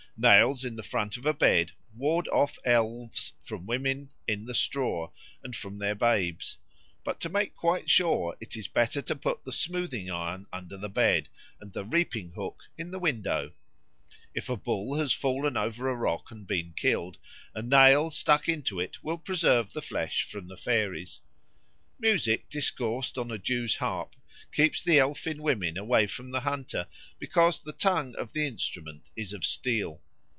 Nails in the front of a bed ward off elves from women "in the straw" and from their babes; but to make quite sure it is better to put the smoothing iron under the bed, and the reaping hook in the window. If a bull has fallen over a rock and been killed, a nail stuck into it will preserve the flesh from the fairies. Music discoursed on a Jew's harp keeps the elfin women away from the hunter, because the tongue of the instrument is of steel.